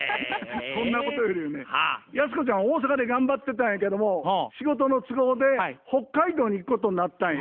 そんなことよりもねヤスコちゃんは大阪で頑張ってたんやけども仕事の都合で北海道に行くことになったんや。